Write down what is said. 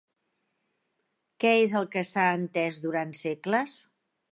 Què és el que s'ha entès durant segles?